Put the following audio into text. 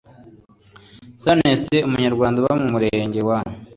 th oneste umunyarwanada uba mu murenge wa